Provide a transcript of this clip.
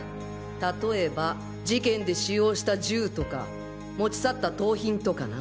例えば事件で使用した銃とか持ち去った盗品とかな。